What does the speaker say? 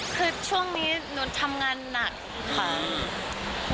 คือช่วงนี้หนูทำงานหนักค่ะ